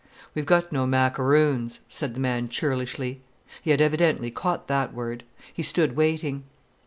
"We've got no macaroons," said the man churlishly. He had evidently caught that word. He stood waiting.